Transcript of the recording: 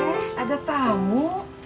eh ada tamu